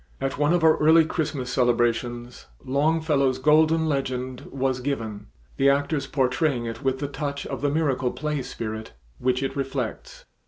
At one of our early Christmas celebrations Longfellow's "Golden Legend" was given, the actors portraying it with the touch of the miracle play spirit which it reflects.